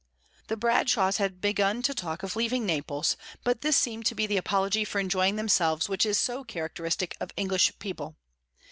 The Bradshaws had begun to talk of leaving Naples, but this seemed to be the apology for enjoying themselves which is so characteristic of English people.